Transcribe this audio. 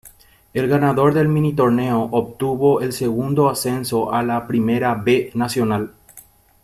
El ganador del minitorneo obtuvo el segundo ascenso a la Primera B Nacional.